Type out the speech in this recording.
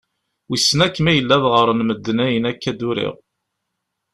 Wissen akk ma yella ad ɣren medden ayen akka d-uriɣ.